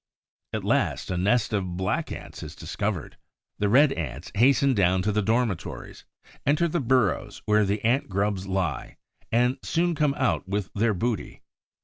At last, a nest of Black Ants is discovered. The Red Ants hasten down to the dormitories, enter the burrows where the Ant grubs lie and soon come out with their booty.